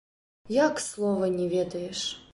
Як слова, не ведаеш?